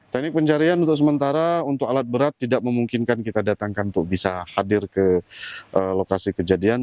teknik pencarian untuk sementara untuk alat berat tidak memungkinkan kita datangkan untuk bisa hadir ke lokasi kejadian